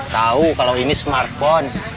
tahu kalau ini smartphone